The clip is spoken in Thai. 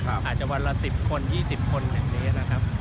อาจจะวันละ๑๐คน๒๐คนอย่างนี้นะครับ